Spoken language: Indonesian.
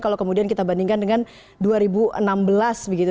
kalau kemudian kita bandingkan dengan dua ribu enam belas begitu